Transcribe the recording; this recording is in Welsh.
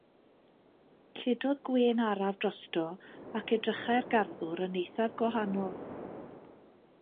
Lledodd gwên araf drosto ac edrychai'r garddwr yn eithaf gwahanol.